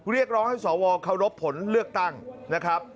เรียกร้องให้สวเคารพผลเลือกตั้งนะครับ